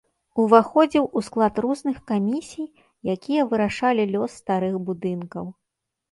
Уваходзіў у склад розных камісій, якія вырашалі лёс старых будынкаў.